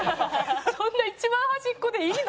そんな一番端っこでいいの？